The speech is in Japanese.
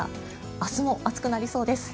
明日も暑くなりそうです。